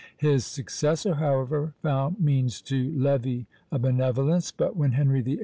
His successor, however, found means to levy "a benevolence;" but when Henry VIII.